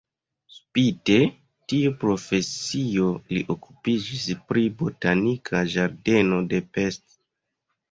Spite tiun profesion li okupiĝis pri botanika ĝardeno de Pest.